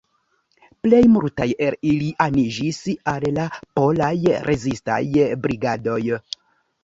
Plej multaj el ili aniĝis al la polaj rezistaj brigadoj.